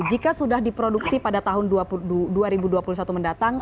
jika sudah diproduksi pada tahun dua ribu dua puluh satu mendatang